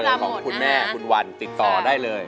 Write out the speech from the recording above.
ของคุณแม่คุณวันติดต่อได้เลย